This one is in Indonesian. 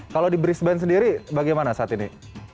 kalau di brisbane sendiri bagaimana saat ini